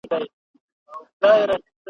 دا یو څو ورځي ژوندون دی نازوه مي ,